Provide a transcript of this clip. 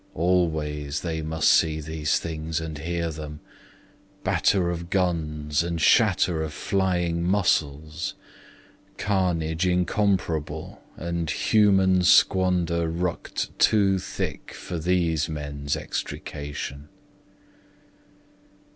Always they must see these things and hear them, Batter of guns and shatter of flying muscles, Carnage incomparable and human squander Rucked too thick for these men's extrication.